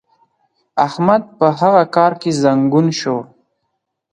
احمد په هغه کار کې زنګون شو.